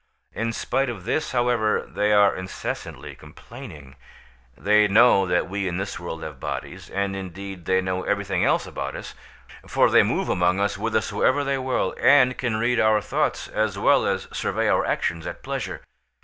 In spite of this, however, they are incessantly complaining; they know that we in this world have bodies, and indeed they know everything else about us, for they move among us whithersoever they will, and can read our thoughts, as well as survey our actions at pleasure.